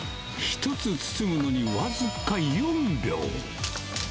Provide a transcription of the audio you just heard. １つ包むのに僅か４秒。